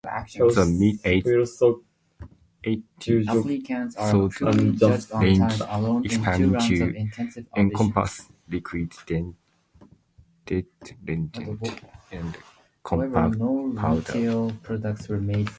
The mid-eighties saw the range expanding to encompass liquid detergent and compact powder.